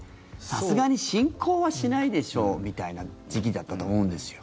さすがに侵攻はしないでしょうみたいな時期だったと思うんですよ。